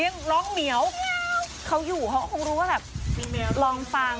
ยังร้องเหมียวเขาอยู่เขาก็คงรู้ว่าแบบลองฟัง